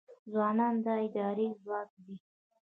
ځوانان د ادارې ځواک دی